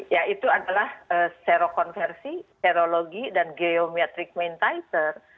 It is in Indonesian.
ya itu adalah serokonversi serologi dan geometric mentizer